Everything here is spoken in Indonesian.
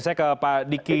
saya ke pak diki